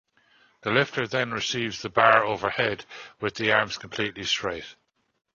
The lifter then receives the bar overhead with the arms completely straight.